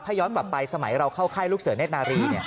ย้อนกลับไปสมัยเราเข้าค่ายลูกเสือเนธนารี